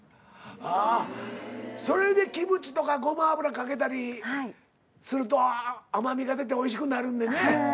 ああそれでキムチとかごま油かけたりすると甘味が出ておいしくなるんでね。